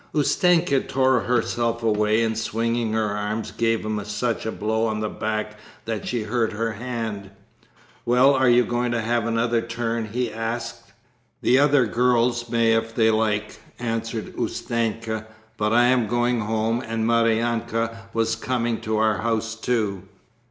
Ustenka tore herself away, and swinging her arm gave him such a blow on the back that she hurt her hand. "Well, are you going to have another turn?" he asked. "The other girls may if they like," answered Ustenka, "but I am going home and Maryanka was coming to our house too."